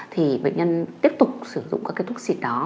thì bệnh nhân tiếp tục sử dụng các cái thuốc xịt đó